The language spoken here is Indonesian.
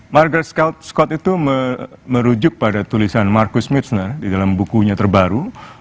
margar scott itu merujuk pada tulisan marcus mitsner di dalam bukunya terbaru